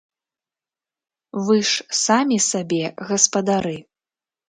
Вы ж самі сабе гаспадары.